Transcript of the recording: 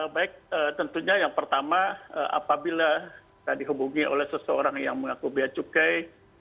baik tentunya yang pertama apabila tidak dihubungi oleh seseorang yang mengaku biacukai